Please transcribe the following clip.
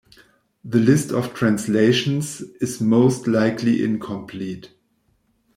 The list of translations is most likely incomplete.